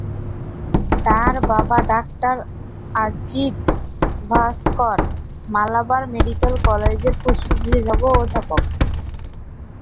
তার বাবা ডাক্তার অজিত ভাস্কর মালাবার মেডিকেল কলেজের ফুসফুস বিশেষজ্ঞ ও অধ্যাপক।